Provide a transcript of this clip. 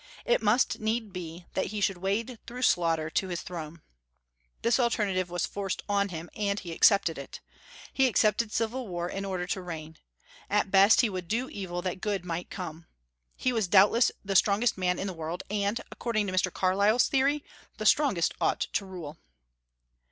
It must need be that "he should wade through slaughter to his throne." This alternative was forced on him, and he accepted it. He accepted civil war in order to reign. At best, he would do evil that good might come. He was doubtless the strongest man in the world; and, according to Mr. Carlyle's theory, the strongest ought to rule.